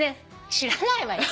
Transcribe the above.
知らないわよ。